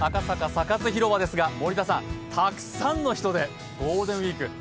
サカス広場ですが、森田さん、たくさんの人でゴールデンウイーク。